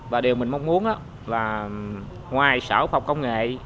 và điều mình mong muốn là ngoài sở phòng công nghệ